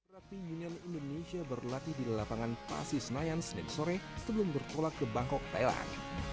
rapi union indonesia berlatih di lapangan pasi senayan senin sore sebelum bertolak ke bangkok thailand